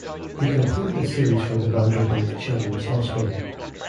He completed a series for Vanderbilt Children's Hospital.